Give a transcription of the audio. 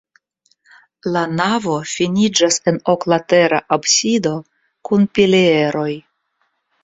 La navo finiĝas en oklatera absido kun pilieroj.